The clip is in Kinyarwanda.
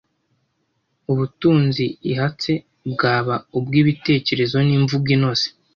ubutunzi ihatse bwaba ubw’ibitekerezo n’imvugo inoze.